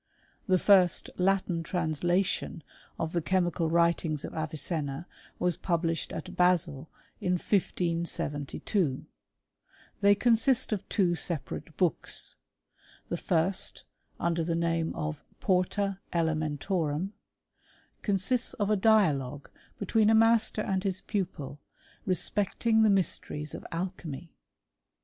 The first Latin translation of the chemical writings of Avicenna was pubhshed at Basil in 1572 ; they consist of two separate books ; the first, under the name of " Porta Elementorum,*' consists of a dialogue between a master and his pupil, respecting the mysteries of Alchymy.